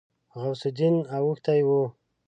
غوث الدين اوښتی و.